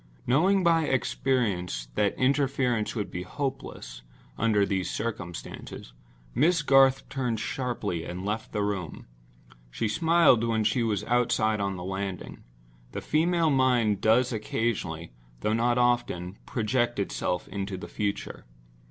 Knowing by experience that interference would be hopeless, under these circumstances, Miss Garth turned sharply and left the room. She smiled when she was outside on the landing. The female mind does occasionally—though not often—project itself into the future.